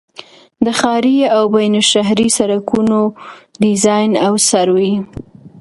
د ښاري او بینالشهري سړکونو ډيزاين او سروې